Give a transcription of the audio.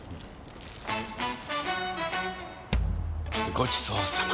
ごちそうさま！